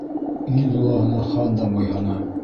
Ил йолаһына хан да буйһона.